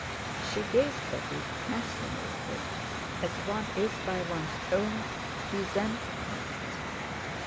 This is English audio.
She gazed at it, fascinated, as one is by one's own presentment.